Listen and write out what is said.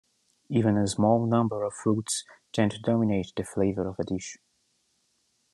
Even a small number of fruits tends to dominate the flavor of a dish.